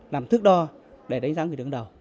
làm thức đo để đánh giá người đứng đầu